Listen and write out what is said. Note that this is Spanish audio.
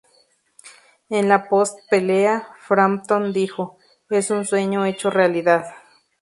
En la post-pelea, Frampton dijo: "Es un sueño hecho realidad.